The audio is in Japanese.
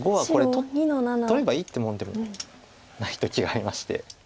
取ればいいってもんでもない時がありまして。